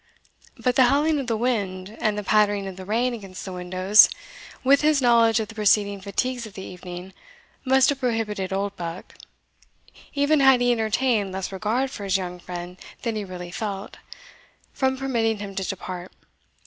But the howling of the wind, and the pattering of the rain against the windows, with his knowledge of the preceding fatigues of the evening, must have prohibited Oldbuck, even had he entertained less regard for his young friend than he really felt, from permitting him to depart.